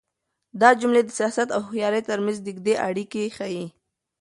دا جملې د سياست او هوښيارۍ تر منځ نږدې اړيکه ښيي.